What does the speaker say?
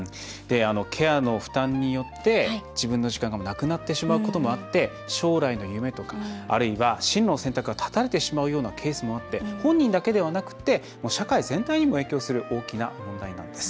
ケアの負担によって自分の時間がなくなってしまうこともあって将来の夢とかあるいは進路の選択が断たれてしまうようなケースもあって本人だけではなくて社会全体にも影響する大きな問題なんです。